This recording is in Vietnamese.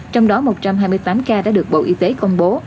trong đó một trăm hai mươi tám ca đã được bộ y tế công bố